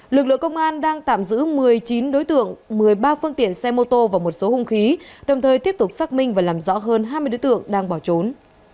lực lượng công an đang tạm giữ một mươi chín đối tượng một mươi ba phương tiện xe mô tô và một số hung khí đồng thời tiếp tục xác minh và làm rõ hơn hai mươi đối tượng đang bỏ trốn